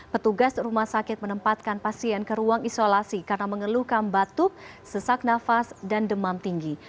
petugas rumah sakit menempatkan pasien ke ruang isolasi karena mengeluhkan batuk sesak nafas dan demam tinggi